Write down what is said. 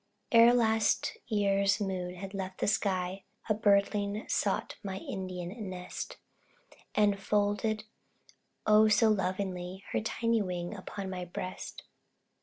Ere last year's moon had left the sky, A birdling sought my Indian nest And folded, oh so lovingly! Her tiny wings upon my breast.